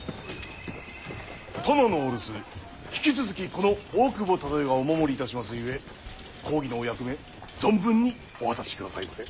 殿のお留守引き続きこの大久保忠世がお守りいたしますゆえ公儀のお役目存分にお果たしくださいませ！